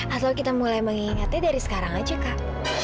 atau kita mulai mengingatnya dari sekarang aja kak